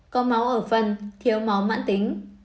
có máu ở phần thiếu máu mãn tính